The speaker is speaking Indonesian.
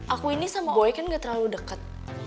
aku ini sama boy kan gak terlalu deket